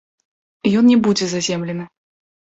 Ён не будзе заземлены.